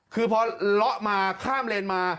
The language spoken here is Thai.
คือพอละมาแบบค่ามเรนมา